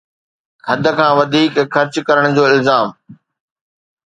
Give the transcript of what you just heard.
حد کان وڌيڪ خرچ ڪرڻ جو الزام